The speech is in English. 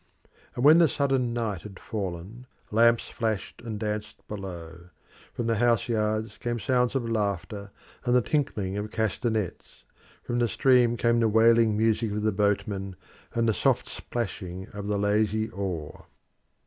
And when the sudden night had fallen, lamps flashed and danced below; from the house yards came sounds of laughter and the tinkling of castanets; from the stream came the wailing music of the boatmen and the soft splashing of the lazy oar.